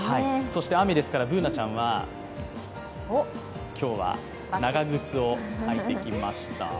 そして雨ですから、Ｂｏｏｎａちゃんは今日は長靴を履いてきました。